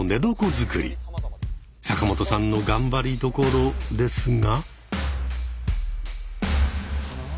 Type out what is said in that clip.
坂本さんの頑張りどころですが。